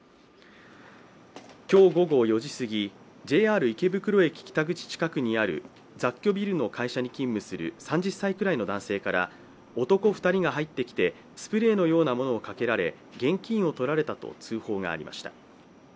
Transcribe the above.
今日午後４時すぎ、ＪＲ池袋駅北口近くにある雑居ビルの会社に勤務する３０歳くらいの男性から男２人が入ってきてスプレーのようなものをかけられ現金をとられたと通報がありました。